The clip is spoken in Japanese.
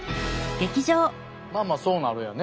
まあまあそうなるよね。